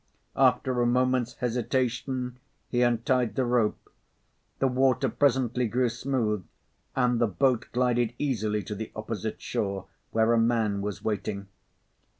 After a moment's hesitation, he untied the rope. The water presently grew smooth and the boat glided easily to the opposite shore, where a man was waiting.